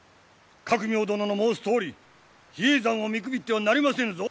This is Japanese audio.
覚明殿の申すとおり比叡山を見くびってはなりませぬぞ！